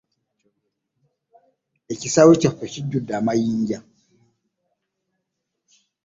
Ekisaawe kyaffe kijjudde amayinja.